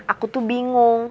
aku tuh bingung